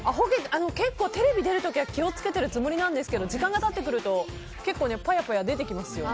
結構テレビ出る時は気を付けてるつもりなんですけど時間が経ってくるとぱやぱや出てきますよ。